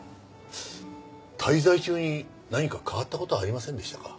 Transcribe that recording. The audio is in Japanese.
滞在中に何か変わった事はありませんでしたか？